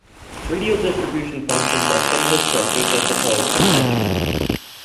Radial Distribution Functions of Some Structures of the Polypeptide Chain.